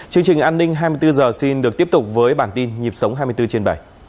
chương trình an ninh hai mươi bốn h xin được tiếp tục với bản tin nhịp sống hai mươi bốn trên bảy